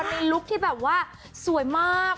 ลุคที่แบบว่าสวยมาก